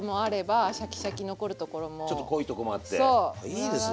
いいですね。